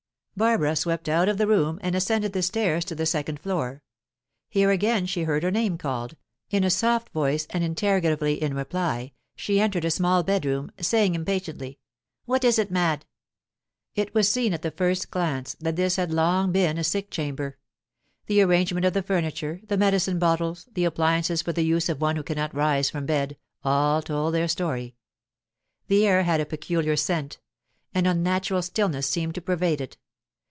Barbara swept out of the room, and ascended the stairs to the second floor. Here again she heard her name called, in a soft voice and interrogatively in reply, she entered a small bedroom, saying impatiently: "What is it, Mad?" It was seen at the first glance that this had long been a sick chamber. The arrangement of the furniture, the medicine bottles, the appliances for the use of one who cannot rise from bed, all told their story. The air had a peculiar scent; an unnatural stillness seemed to pervade it.